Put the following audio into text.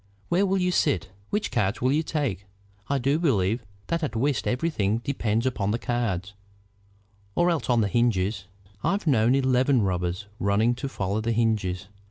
Where will you sit? Which cards will you take? I do believe that at whist everything depends upon the cards, or else on the hinges. I've known eleven rubbers running to follow the hinges.